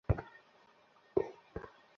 শুধু বলো তুমি আমাঢ় সাথে কখন দেখ করবে।